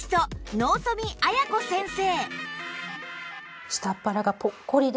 納富亜矢子先生